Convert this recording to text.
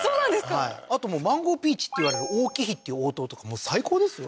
はいあとマンゴーピーチっていわれる黄貴妃っていう黄桃とかもう最高ですよ